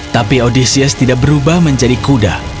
tapi odesius tidak berubah menjadi kuda